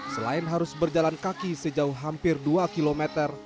selain harus berjalan kaki sejauh hampir dua kilometer